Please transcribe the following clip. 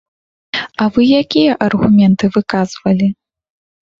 А вы якія аргументы выказвалі?